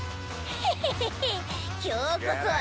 ヘヘヘヘ今日こそは。